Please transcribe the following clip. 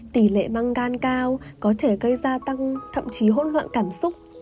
tỷ lệ mangan cao có thể gây ra tăng thậm chí hỗn loạn cảm xúc